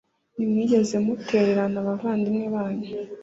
ntimwigeze mutererana abavandimwe banyu